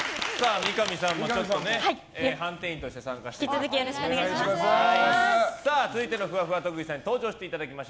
三上さんも判定員として参加していただきます。